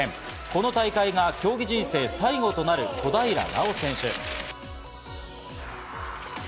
この大会が競技人生最後となる小平奈緒選手。